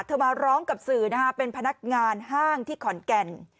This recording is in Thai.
มาร้องกับสื่อนะฮะเป็นพนักงานห้างที่ขอนแก่น